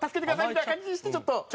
みたいな感じにしてちょっと。